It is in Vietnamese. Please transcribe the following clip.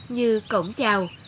như cổng chào